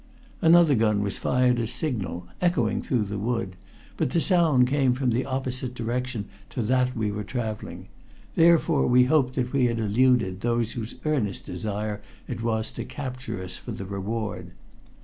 Another gun was fired as signal, echoing through the wood, but the sound came from the opposite direction to that we were traveling; therefore we hoped that we had eluded those whose earnest desire it was to capture us for the reward.